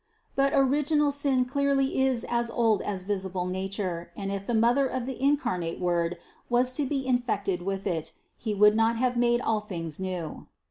But original sin clearly is as old as visible nature, and if the Mother of the incarnate Word was to be infected with it, He would not have made all things new.